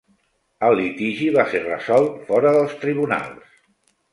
El litigi va ser resolt fora dels tribunals.